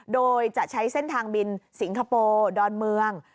โดยจะใช้เส้นทางบินสิงคโปร์ดอนเมือง